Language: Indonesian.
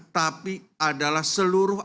tapi adalah seluruh bank